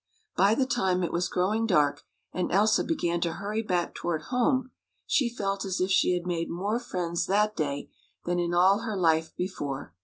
By the time it was growing dark, and Elsa began to hurry back toward home, she felt as if she had made more friends that day than in all her life before.